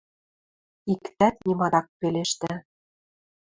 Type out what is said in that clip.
Иктӓт нимат ак пелештӹ.